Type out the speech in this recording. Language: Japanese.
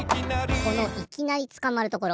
このいきなりつかまるところ。